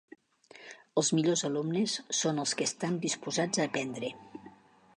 Els millors alumnes són els que estan disposats a aprendre.